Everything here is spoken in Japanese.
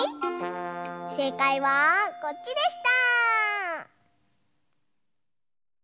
せいかいはこっちでした！